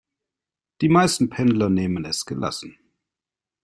Die meisten Pendler nehmen es gelassen.